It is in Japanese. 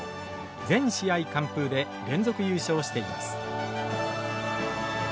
全試合完封で連続優勝しています。